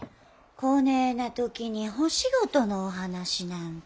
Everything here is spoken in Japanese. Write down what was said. こねえな時にお仕事のお話なんて。